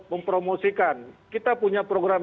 mempromosikan kita punya program